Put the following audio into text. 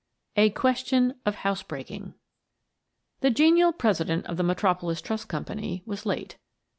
A QUESTION OF HOUSE BREAKING The genial president of the Metropolis Trust Company was late.